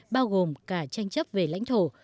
bao gồm cả tranh chấp về lãnh thổ